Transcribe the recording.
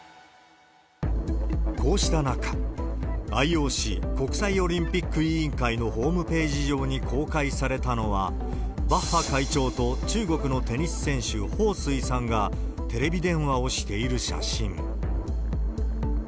こうした中、ＩＯＣ・国際オリンピック委員会のホームページ上に公開されたのは、バッハ会長と中国のテニス選手、彭帥さんがテレビ電話をしている写真。